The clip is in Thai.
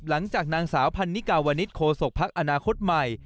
หลังจากนางสาวพันนิกาวนิษฐโคศกภักดิ์อนาคตใหม่